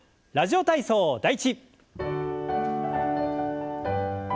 「ラジオ体操第１」。